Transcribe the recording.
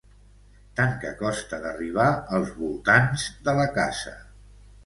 Tant que costa d'arribar als voltants de la casa.